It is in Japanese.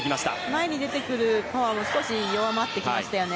前に出てくるパワーが少し弱まってきましたね。